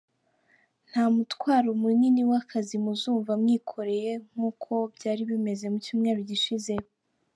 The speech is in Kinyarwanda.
Nta mutwaro munini w’akazi muzumva mwikoreye nk’uko byari bimeze mu cyumweru gishize.